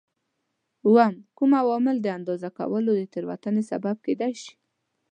اووم: کوم عوامل د اندازه کولو د تېروتنې سبب کېدای شي؟